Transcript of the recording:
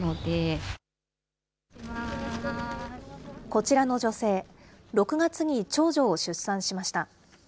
こちらの女性、６月に長女を出産しました。